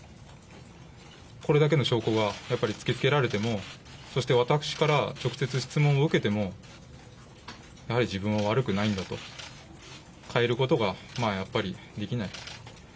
これだけの証拠がやっぱり突きつけられても、そして私から直接質問を受けても、やはり自分は悪くないんだと、変えることがやっぱりできない。